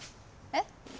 えっ？